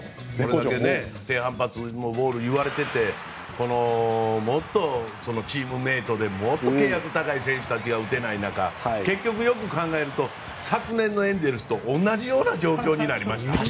これだけ低反発ボールといわれていてチームメートでもっと契約高い選手たちが打てない中結局、よく考えると昨年のエンゼルスと同じような状況になりました。